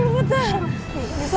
ikut pembimbing dia